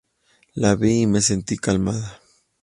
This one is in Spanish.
La vi y me sentí calmada.